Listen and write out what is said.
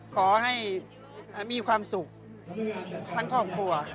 ขอให้มีความสุขทั้งครอบครัว